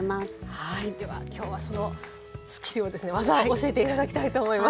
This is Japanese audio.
はいでは今日はそのスキルをですね技を教えて頂きたいと思います。